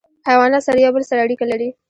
حیوانات سره یو بل سره اړیکه لري.